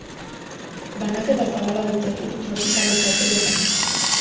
Banaketa zabala dute ur tropikal eta epeletan.